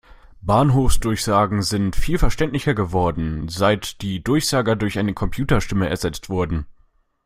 Bahnhofsdurchsagen sind viel verständlicher geworden, seit die Durchsager durch eine Computerstimme ersetzt wurden.